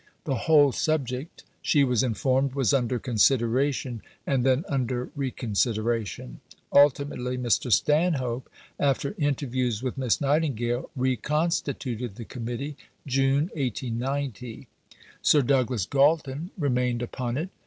The whole subject, she was informed, was under consideration, and then under reconsideration. Ultimately Mr. Stanhope, after interviews with Miss Nightingale, reconstituted the Committee (June 1890). Sir Douglas Galton remained upon it.